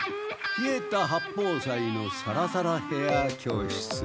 稗田八方斎のサラサラヘア教室！